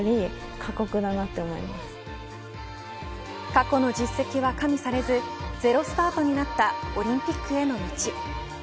過去の実績は加味されずゼロスタートになったオリンピックへの道。